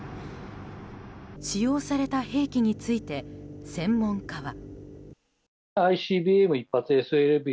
使用された兵器について専門家は。